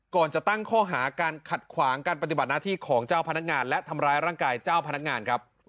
ก่อนจะตั้งข้อหาการขัดขวางการปฏิบัติหน้าที่ของเจ้าพนักงาน